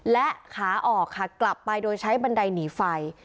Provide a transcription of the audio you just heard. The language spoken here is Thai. และขาออกค่ะกลับไปโดยใช้บันไดหนีไฟ